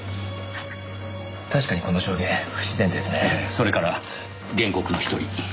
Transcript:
それから原告の一人。